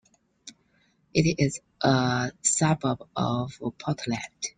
It is a suburb of Portland.